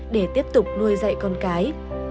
để tiếp tục nuôi dạy con cái